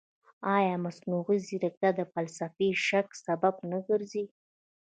ایا مصنوعي ځیرکتیا د فلسفي شک سبب نه ګرځي؟